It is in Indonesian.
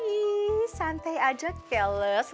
ih santai aja keles